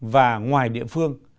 và ngoài địa phương